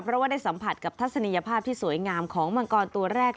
เพราะว่าได้สัมผัสกับทัศนียภาพที่สวยงามของมังกรตัวแรก